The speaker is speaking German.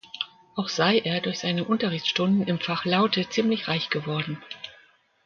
Auch sei er durch seine Unterrichtsstunden im Fach Laute ziemlich reich geworden.